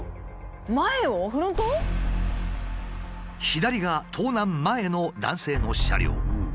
左が盗難前の男性の車両。